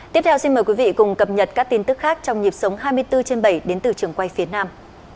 tiếp theo xin mời quý vị cùng cập nhật các tin tức khác trong nhịp sống hai mươi bốn trên bảy đến từ trường quay phía nam